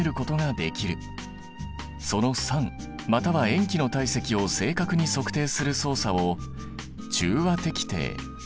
その酸または塩基の体積を正確に測定する操作を中和滴定という。